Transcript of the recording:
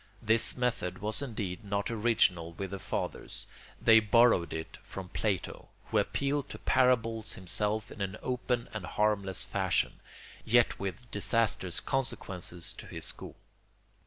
This method was indeed not original with the Fathers; they borrowed it from Plato, who appealed to parables himself in an open and harmless fashion, yet with disastrous consequences to his school.